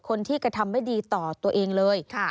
คนที่กระทำไม่ดีต่อตัวเองเลย